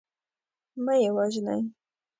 مه یې وژنی.